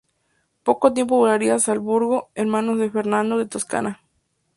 Poco tiempo duraría Salzburgo en manos de Fernando de Toscana.